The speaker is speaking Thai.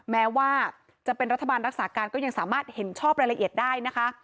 แม้ว่าจะเป็นรัฐบาลรักษาการก็ยังสามารถเห็นชอบรายละเอียดได้นะคะ